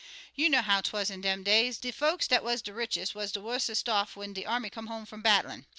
"You know how 'twaz in dem days. De folks what wuz de richest wuz de wussest off when de army come home from battlin'.